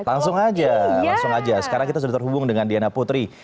langsung aja langsung aja sekarang kita sudah terhubung dengan diana putri